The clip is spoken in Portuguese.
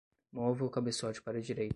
Mova o cabeçote para a direita